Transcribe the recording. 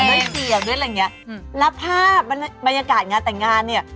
ด้วยเซียบด้วยอะไรอย่างนี้แล้วภาพบรรยากาศงานแต่งงานเนี่ย